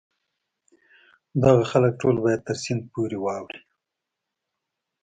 دغه خلک ټول باید تر سیند پورې واوړي.